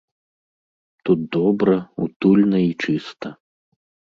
Тут добра, утульна і чыста.